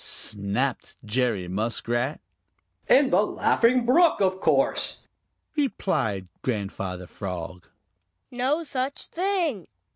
snapped Jerry Muskrat. "In the Laughing Brook, of course," replied Grandfather Frog. "No such thing!"